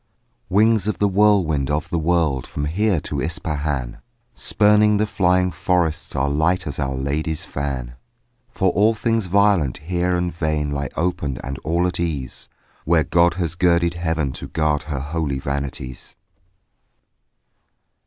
Wings of the whirlwind of the world From here to Ispahan, Spurning the flying forests Are light as Our Lady's fan: For all things violent here and vain Lie open and all at ease Where God has girded heaven to guard Her holy vanities.